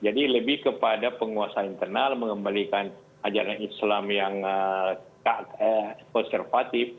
jadi lebih kepada penguasa internal mengembalikan ajaran islam yang konservatif